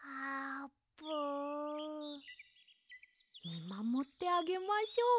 みまもってあげましょう。